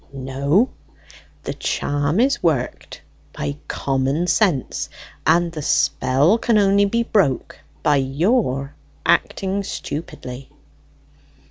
"No; the charm is worked by common sense, and the spell can only be broke by your acting stupidly."